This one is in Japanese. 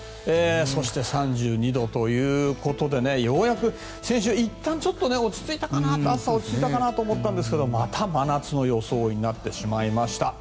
そして３２度ということでようやく先週いったん暑さが落ち着いたかなと思ったんですがまた真夏の装いになってしまいました。